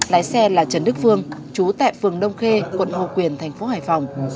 lái xe là trần đức phương chú tại phường đông khê quận ngo quyền thành phố hải phòng